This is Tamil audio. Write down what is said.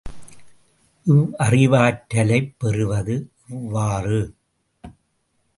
இவ்வறிவாற்றலைப் பெறுவது எவ்வாறு?